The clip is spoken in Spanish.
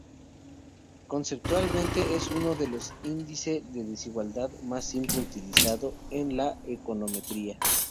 Conceptualmente es uno de los índice de desigualdad más simple utilizado en la econometría.